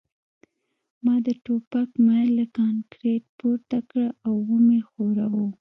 ما د ټوپک میل له کانکریټ پورته کړ او ومې ښوراوه